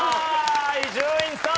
伊集院さん